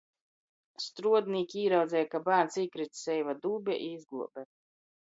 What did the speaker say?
Struodnīki īraudzeja, ka bārns īkrits seiva dūbē, i izgluobe.